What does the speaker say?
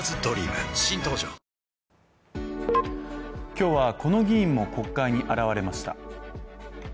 今日はこの議員も国会に現れました。